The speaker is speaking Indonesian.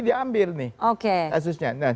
diambil nih kasusnya nah